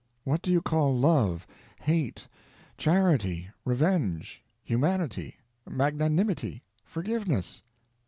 What do you call Love, Hate, Charity, Revenge, Humanity, Magnanimity, Forgiveness?